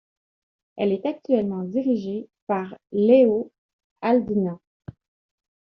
Elle est actuellement dirigée par Leho Haldna.